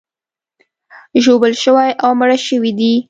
ژوبل شوي او مړه شوي دي.